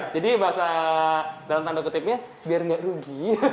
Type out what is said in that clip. jadi dalam tanda kutipnya biar enggak rugi